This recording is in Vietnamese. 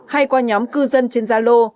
hay qua nhóm cư dân trên gia lô